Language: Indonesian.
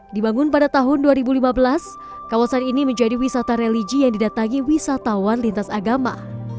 dibangun pada tahun dua ribu lima belas kawasan ini menjadi wisata religi yang didatangi wisatawan lintas agama